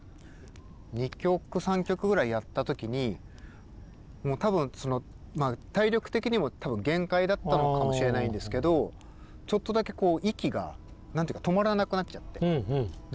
２曲３曲やった時に多分体力的にも限界だったのかもしれないんですけどちょっとだけ息が何て言うか止まらなくなっちゃって。